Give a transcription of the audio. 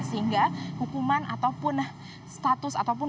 sehingga hukuman ataupun